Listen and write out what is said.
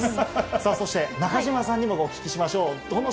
さあそして、中島さんにもお聞きしましょう。